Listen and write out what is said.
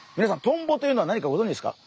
トンボというのは何かご存じですか？